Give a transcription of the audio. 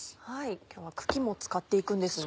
今日は茎も使っていくんですね。